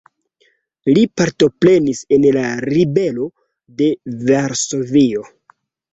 Li partoprenis en la Ribelo de Varsovio.